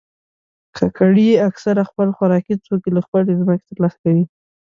کاکړي اکثره خپل خوراکي توکي له خپلې ځمکې ترلاسه کوي.